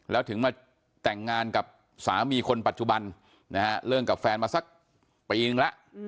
แล้วถึงมาแต่งงานกับสามีคนปัจจุบันนะฮะเลิกกับแฟนมาสักปีนึงแล้ว